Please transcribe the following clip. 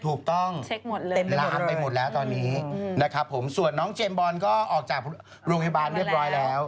ถูกต้องลามไปหมดแล้วตอนนี้ส่วนน้องเจมส์บอลก็ออกจากโรงพยาบาลเรียบร้อยแล้ว